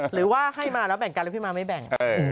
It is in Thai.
หรือว่าให้มาแล้วแบ่งกันแล้วพี่มาไม่แบ่ง